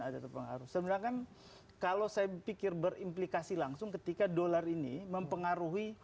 ada pengaruh sedangkan kalau saya pikir berimplikasi langsung ketika dollar ini mempengaruhi